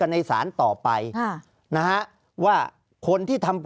ภารกิจสรรค์ภารกิจสรรค์